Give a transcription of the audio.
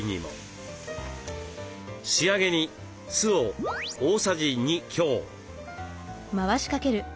仕上げに酢を大さじ２強。